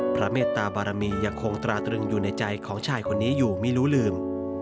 เมตตาบารมียังคงตราตรึงอยู่ในใจของชายคนนี้อยู่ไม่รู้ลืม